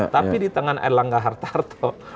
tapi di tangan erlangga hartarto